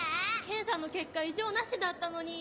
検査の結果異常なしだったのに。